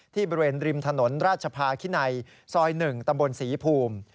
บริเวณริมถนนราชภาคินัยซอย๑ตำบลศรีภูมิ